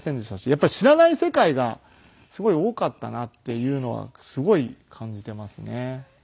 やっぱり知らない世界がすごい多かったなっていうのはすごい感じていますね。